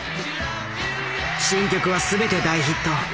新曲は全て大ヒット。